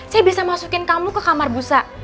saya bisa masukin kamu ke kamar busa